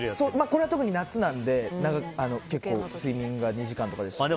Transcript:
これは特に夏なので結構、睡眠が２時間とかでしたね。